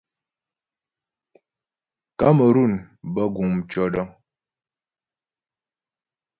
Kamerun bə guŋ mtʉɔ̌dəŋ.